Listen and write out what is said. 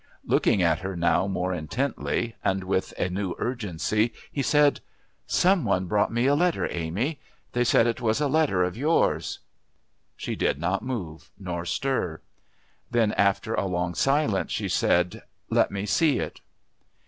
Looking at her now more intently, and with a new urgency, he said: "Some one brought me a letter, Amy. They said it was a letter of yours." She did not move nor stir. Then, after a long silence, she said, "Let me see it."